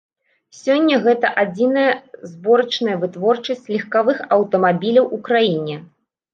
Сёння гэта адзіная зборачная вытворчасць легкавых аўтамабіляў у краіне.